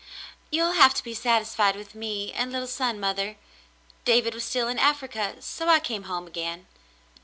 "You'll have to be satisfied with me and little son, mother. David was still in Africa, so I came home again."